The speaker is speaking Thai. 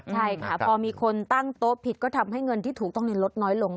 ใช่ค่ะพอมีคนตั้งโต๊ะผิดก็ทำให้เงินที่ถูกต้องลดน้อยลง